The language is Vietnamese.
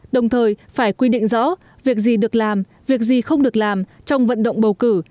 đồng thời phải quy định rõ việc gì được làm việc gì không được làm trong vận động bầu cử